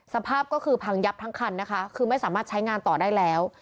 สภาพก็คือพังยับทั้งคันนะคะคือไม่สามารถใช้งานต่อได้แล้ว